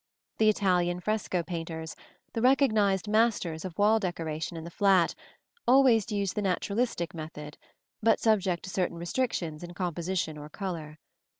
The Italian fresco painters the recognized masters of wall decoration in the flat always used the naturalistic method, but subject to certain restrictions in composition or color.